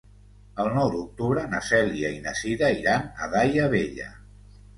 El nou d'octubre na Cèlia i na Cira iran a Daia Vella.